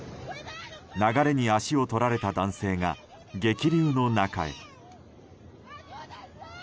流れに足を取られた男性が激流の中へ。